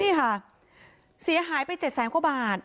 นี่ค่ะเสียหายไป๗แสนกว่าบาท